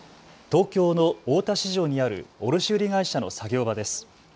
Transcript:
東京の大田市場にある卸売会社の作業場です。